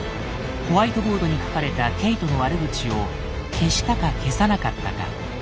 ホワイトボードに書かれたケイトの悪口を消したか消さなかったか。